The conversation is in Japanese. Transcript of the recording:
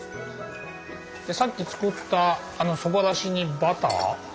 さっき作ったそばだしにバター。